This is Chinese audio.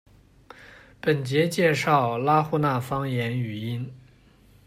本节介绍拉祜纳方言语音。